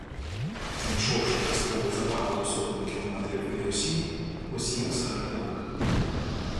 Знайшовши престол за багато сотень кілометрів від Русі, осів серед племен